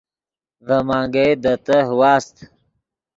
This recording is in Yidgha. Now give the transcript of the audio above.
ڤے منگئے دے تہہ واست